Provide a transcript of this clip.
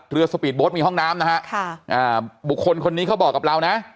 สปีดโบ๊ทมีห้องน้ำนะฮะค่ะอ่าบุคคลคนนี้เขาบอกกับเรานะ